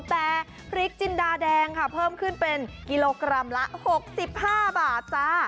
แต่พริกจินดาแดงค่ะเพิ่มขึ้นเป็นกิโลกรัมละ๖๕บาทจ้า